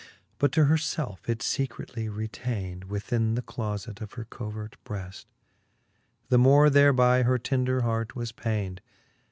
But to her felfe It fecretly retayned, Within the clofet of her covert breft : The more thereby her tender hart was payned.